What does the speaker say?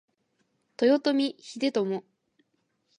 豊臣秀頼